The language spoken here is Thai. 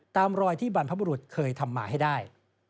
ตามรอยที่บรรพบุรุษเคยทำมาให้ได้